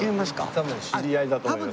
多分知り合いだと思います。